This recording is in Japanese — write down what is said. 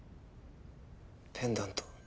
ペンダント。